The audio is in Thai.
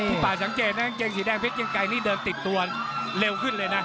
ป่าสังเกตนะกางเกงสีแดงเพชรเกียงไกรนี่เดินติดตัวเร็วขึ้นเลยนะ